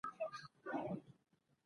کچالو د سپېرو خلکو خواړه دي